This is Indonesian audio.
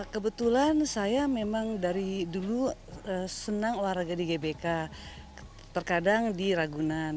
kebetulan saya memang dari dulu senang olahraga di gbk terkadang di ragunan